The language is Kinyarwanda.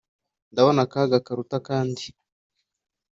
ndabona akaga karuta akandi